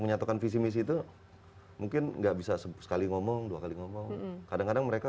menyatukan visi misi itu mungkin nggak bisa sekali ngomong dua kali ngomong kadang kadang mereka